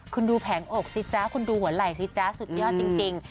คุณดูแผงอกสิจ๊ะคุณดูหัวไหล่สิจ๊ะสุดยอดจริง